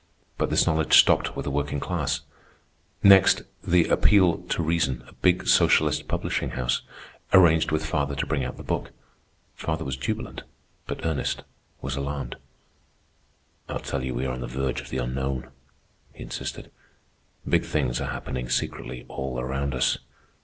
But this knowledge stopped with the working class. Next, the "Appeal to Reason," a big socialist publishing house, arranged with father to bring out the book. Father was jubilant, but Ernest was alarmed. "I tell you we are on the verge of the unknown," he insisted. "Big things are happening secretly all around us.